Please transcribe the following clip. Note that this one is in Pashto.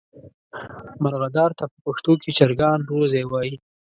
مرغدار ته په پښتو کې چرګان روزی وایي.